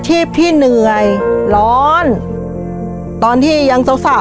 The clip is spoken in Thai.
ชีวิตหนูเกิดมาเนี่ยอยู่กับดิน